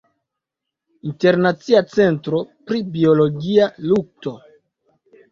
Internacia Centro pri Biologia lukto.